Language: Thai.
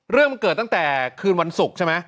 เรื่องมันเกิดตั้งแต่คืนวันศุกร์ใช่ไหม